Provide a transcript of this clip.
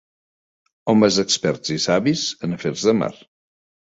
Homes experts i savis en afers de mar.